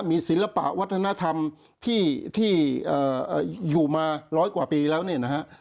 มีศิลปะวัฒนธรรมที่อยู่มาร้อยกว่าปีแล้วเนี่ยนะฮะ